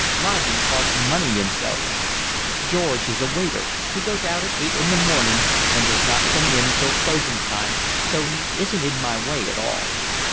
Lodging costs money in Soho. George is a waiter, he goes out at eight in the morning and does not come in till closing time, so he isn't in my way at all.